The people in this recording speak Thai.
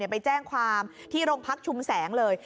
ไปแจ้งความที่โรงพักชุมแสงเลย